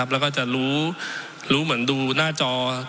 แล้วก็จะรู้เหมือนดูหน้าจอ